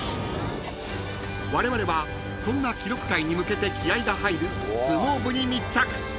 ［われわれはそんな記録会に向けて気合が入る相撲部に密着］